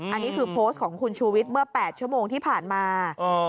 อันนี้คือโพสต์ของคุณชูวิทย์เมื่อ๘ชั่วโมงที่ผ่านมา